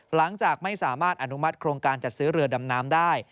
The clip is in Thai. หลังจากไม่สามารถอนุมัติโครงการจัดซื้อเรือดำน้ำได้